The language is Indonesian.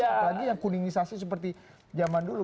apalagi yang kuningisasi seperti zaman dulu